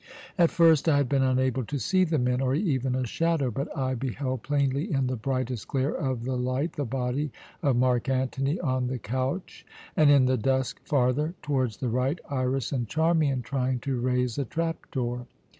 "At first I had been unable to see the men or even a shadow; but I beheld plainly in the brightest glare of the light the body of Mark Antony on the couch and, in the dusk farther towards the right, Iras and Charmian trying to raise a trapdoor.